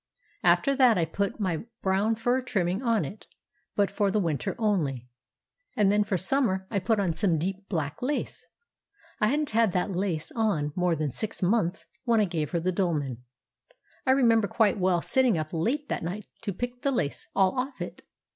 "After that, I put my brown fur trimming on it, but for the winter only; and then for the summer I put on some deep black lace. I hadn't had that lace on more than six months when I gave her the dolman. (I remember quite well sitting up late that night to pick the lace all off it.)